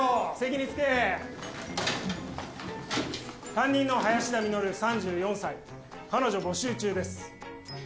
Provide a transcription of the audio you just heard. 担任の林田実３４歳彼女募集中です。